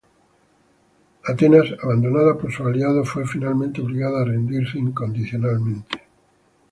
Atenas, abandonada por sus aliados, fue finalmente obligada a rendirse incondicionalmente.